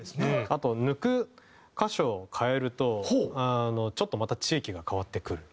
あと抜く箇所を変えるとちょっとまた地域が変わってくるみたいな。